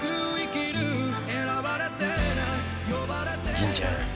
吟ちゃん